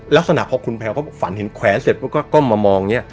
ลักษณะเพราะคุณแพรวเขาฝันเห็นแขวนเสร็จเพราะก็ก็มามองเนี้ย